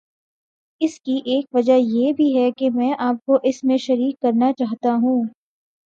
اس کی ایک وجہ یہ بھی ہے کہ میں آپ کو اس میں شریک کرنا چاہتا ہوں۔